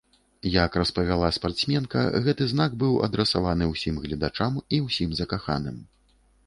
Як распавяла спартсменка, гэты знак быў адрасаваны ўсім гледачам і ўсім закаханым.